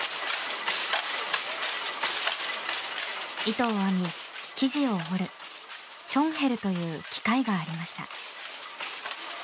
糸を編み、生地を織るションヘルという機械がありました。